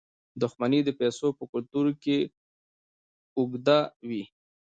دښمني د پښتنو په کلتور کې اوږده وي.